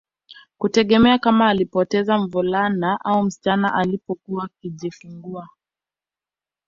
Kutegemea kama alipoteza mvulana au msichana alipokuwa akijifungua